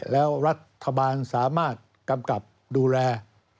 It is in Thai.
แล้วรัฐบาลสามารถกำกับดูแล